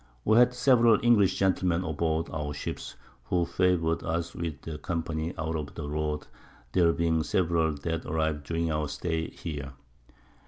We had several English Gentlemen a board our Ships, who favour'd us with their Company out of the Road, there being several that arriv'd during our Stay here.